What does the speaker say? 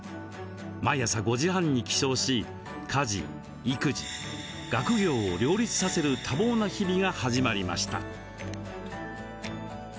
毎朝５時半に起床し家事、育児、学業を両立させる多忙な日々が始まりました。